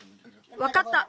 わかった。